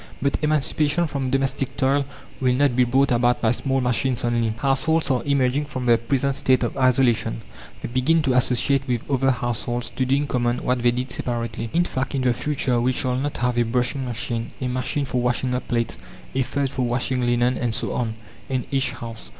But emancipation from domestic toil will not be brought about by small machines only. Households are emerging from their present state of isolation; they begin to associate with other households to do in common what they did separately. In fact, in the future we shall not have a brushing machine, a machine for washing up plates, a third for washing linen, and so on, in each house.